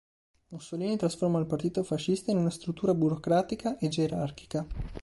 Mussolini trasformò il partito fascista in una struttura burocratica e gerarchica.